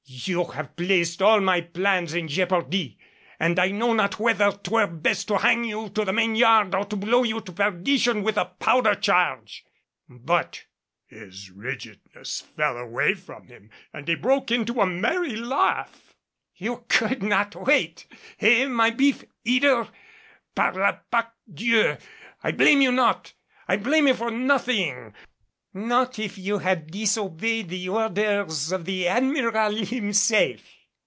"You have placed all my plans in jeopardy and I know not whether 'twere best to hang you to the main yard or to blow you to perdition with a powder charge. But" his rigidness fell away from him and he broke into a merry laugh "you could not wait? Eh, my beef eater? Par la Pâque Dieu. I blame you not I blame you for nothing! Not if you had disobeyed the orders of the Admiral himself."